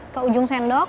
ke ujung sendok